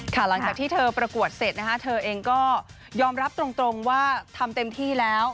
หลังจากที่เธอประกวดเสร็จนะคะเธอเองก็ยอมรับตรงว่าทำเต็มที่แล้ว